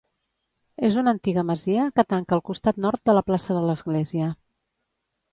És una antiga masia que tanca el costat nord de la plaça de l'església.